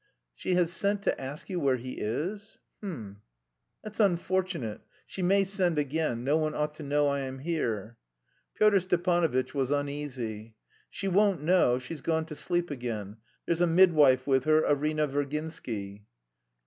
"She has sent to ask you where he is? H'm... that's unfortunate. She may send again; no one ought to know I am here." Pyotr Stepanovitch was uneasy. "She won't know, she's gone to sleep again. There's a midwife with her, Arina Virginsky."